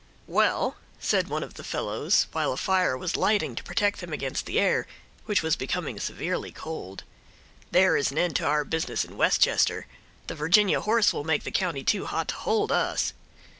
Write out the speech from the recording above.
"Well," said one of the fellows, while a fire was lighting to protect them against the air, which was becoming severely cold, "there is an end to our business in Westchester. The Virginia horse will make the county too hot to hold us."